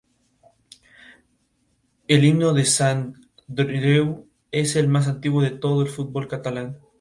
El himno del Sant Andreu es el más antiguo de todo el fútbol catalán.